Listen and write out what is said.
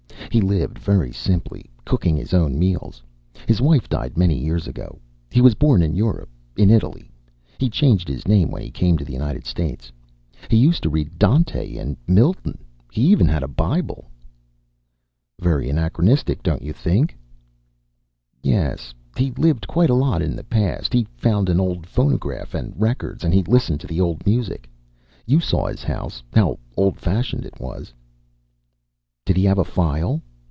He lived very simply, cooking his own meals. His wife died many years ago. He was born in Europe, in Italy. He changed his name when he came to the United States. He used to read Dante and Milton. He even had a Bible." "Very anachronistic, don't you think?" "Yes, he lived quite a lot in the past. He found an old phonograph and records, and he listened to the old music. You saw his house, how old fashioned it was." "Did he have a file?"